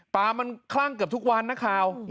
ปลามันคลั่งเกือบทุกวันนะข่าว